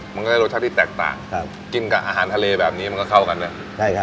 มันก็ได้รสชาติที่แตกต่างครับกินกับอาหารทะเลแบบนี้มันก็เข้ากันนะใช่ครับ